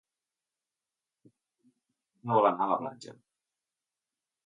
Demà na Nora vol anar a la platja.